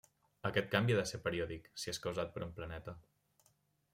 Aquest canvi ha de ser periòdic, si és causat per un planeta.